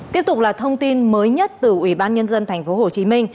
tiếp tục là thông tin mới nhất từ ủy ban nhân dân tp hcm